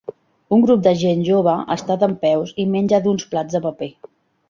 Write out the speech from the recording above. Un grup de gent jove està dempeus i menja d'uns plats de paper.